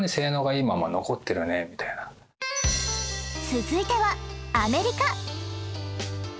続いてはアメリカ。